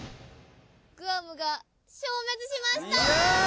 グアムが消滅しました！